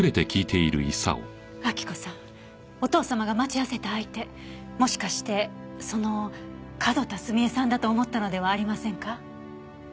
明子さんお父様が待ち合わせた相手もしかしてその角田澄江さんだと思ったのではありませんか？